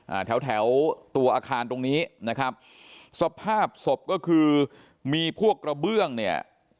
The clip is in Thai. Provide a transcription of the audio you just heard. อ่าแถวแถวตัวอาคารตรงนี้นะครับสภาพศพก็คือมีพวกกระเบื้องเนี่ย